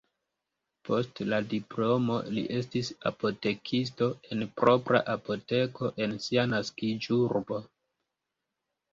Post la diplomo li estis apotekisto en propra apoteko en sia naskiĝurbo.